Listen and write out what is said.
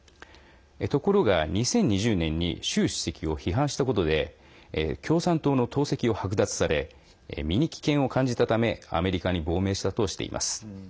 ところが、２０２０年に習主席を批判したことで共産党の党籍をはく奪され身に危険を感じたためアメリカに亡命したとしています。